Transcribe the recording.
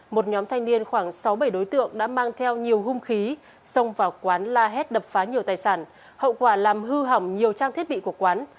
một nhóm thanh niên khoảng sáu bảy đối tượng đã mang theo nhiều hung khí xông vào quán la hét đập phá nhiều tài sản hậu quả làm hư hỏng nhiều trang thiết bị của quán